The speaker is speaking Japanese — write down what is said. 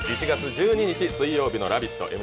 １月１２日水曜日の「ラヴィット！」